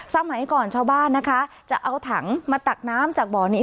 สมัยก่อนชาวบ้านนะคะจะเอาถังมาตักน้ำจากบ่อนี้